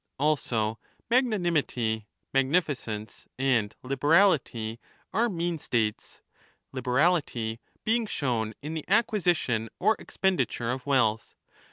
Also magnanimity, magnificence, and liberality are mean 4 ^' states — liberality being shown in the acquisition or expen diture of wealth.